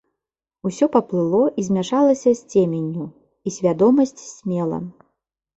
Усё паплыло і змяшалася з цеменню, і свядомасць сцьмела.